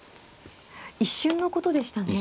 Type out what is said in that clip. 一瞬のことでしたね。